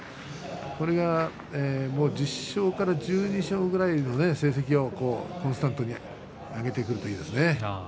これが１０勝から１２勝ぐらいの成績をコンスタントに上げてくるといいですね。